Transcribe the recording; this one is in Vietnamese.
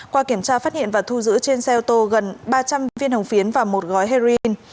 qua kiểm tra phát hiện và thu giữ trên xe ô tô gần ba trăm linh viên hồng phiến và một gói heroin